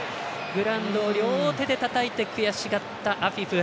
グラウンドを両手でたたいて悔しがったアフィフ。